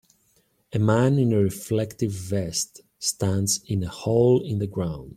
A man in a reflective vest stands in a hole in the ground.